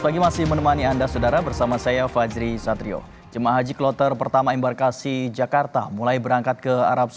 jemaah haji kloter pertama embarkasi jakarta